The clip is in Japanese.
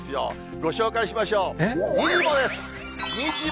ご紹介しましょう。